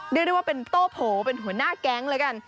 เรียกได้ว่าเป็นโต้โผเป็นหัวหน้าแก๊งแล้วกัน